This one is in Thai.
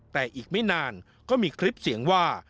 แต่อีกไม่นานก็มีคลิปเสียงว่า